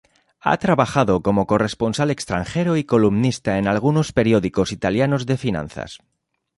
Ha trabajado como corresponsal extranjero y columnista en algunos periódicos italianos de finanzas.